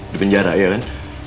di penjara ya kan